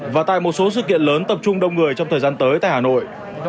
và tại một số sự kiện lớn tập trung đông người trong thời gian tới tại hà nội